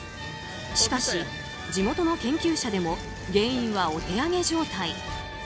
しかし、地元の研究者でも原因はお手上げ状態。